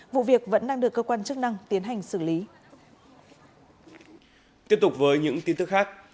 vụ việc vẫn đang được cơ quan chức năng tiến hành xử lý